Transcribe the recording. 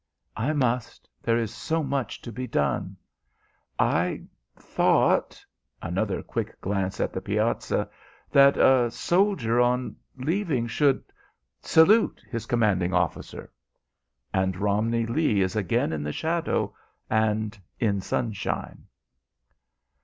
"I must. There is so much to be done." "I thought" another quick glance at the piazza "that a soldier, on leaving, should salute his commanding officer?" And Romney Lee is again in shadow and in sunshine.